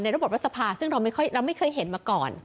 ในระบบรัฐสภาซึ่งเราไม่ค่อยเราไม่เคยเห็นมาก่อน